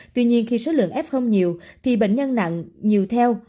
tuy nhiên khi số lượng f nhiều thì bệnh nhân nặng nhiều theo